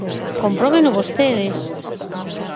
Compróbeno vostedes.